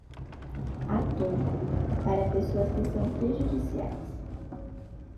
Atum, para pessoas que são prejudiciais.